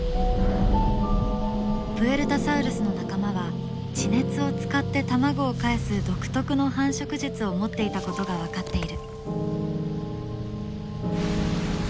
プエルタサウルスの仲間は地熱を使って卵をかえす独特の繁殖術を持っていたことが分かっている。